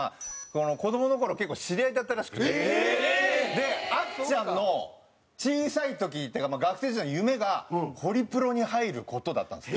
であっちゃんの小さい時っていうか学生時代の夢がホリプロに入る事だったんです。